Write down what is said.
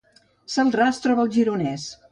Celrà es troba al Gironès